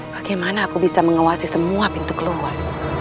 bagaimana aku bisa mengawasi semua pintu keluar